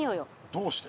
どうして？